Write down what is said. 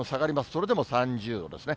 それでも３０度ですね。